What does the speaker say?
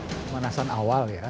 pemanasan awal ya